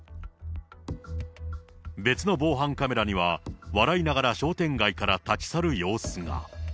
別の防犯カメラには、笑いながら商店街から立ち去る様子が。